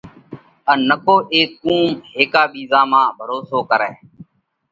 ان نڪو اي قُوم هيڪا ٻِيزا مانه ڀروسو ڪرئه۔